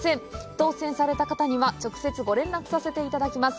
当せんされた方には直接ご連絡させていただきます。